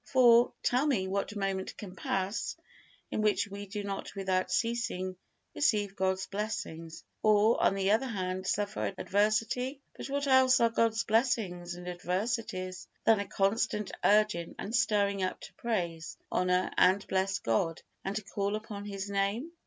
For, tell me, what moment can pass in which we do not without ceasing receive God's blessings, or, on the other hand, suffer adversity? But what else are God's blessings and adversities than a constant urging and stirring up to praise, honor, and bless God, and to call upon His Name?